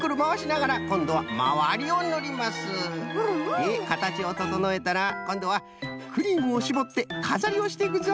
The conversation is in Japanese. でかたちをととのえたらこんどはクリームをしぼってかざりをしていくぞ。